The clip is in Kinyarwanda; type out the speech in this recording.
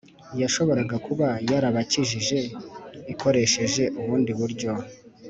yashoboraga kuba yarabakijije ikoresheje ubundi buryo,